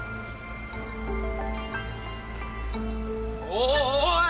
おおおい。